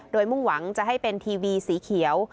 โดยมุ่งหวังจะให้เป็นทีวีสีเขียว